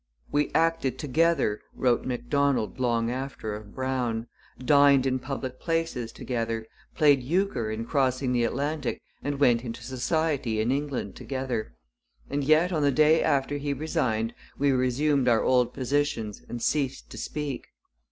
'We acted together,' wrote Macdonald long after of Brown, 'dined in public places together, played euchre in crossing the Atlantic and went into society in England together. And yet on the day after he resigned we resumed our old positions and ceased to speak.'